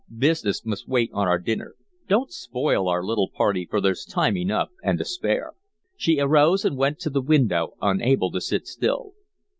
Business must wait on our dinner. Don't spoil our little party, for there's time enough and to spare." She arose and went to the window, unable to sit still.